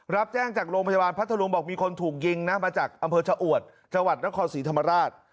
รับแจ้งจากโรงพยาบาลพัทธรุงบอกมีคนถูกยิงนะมาจากอำเภอชะอวดจังหวัดนครศรีธรรมราช